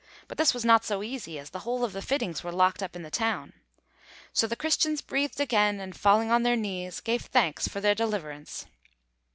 But this was not so easy, as the whole of the fittings were locked up in the town. So the Christians breathed again, and, falling on their knees, gave thanks for their deliverance.